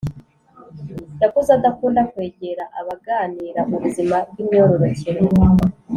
yakuze adakunda kwegera abaganira ubuzima bw’imyororokere